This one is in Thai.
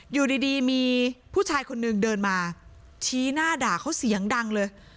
อยู่ดีมีผู้ชายคนนึงเดินมาชี้หน้าด่าเขาเสียงดังเลย